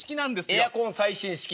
エアコン最新式。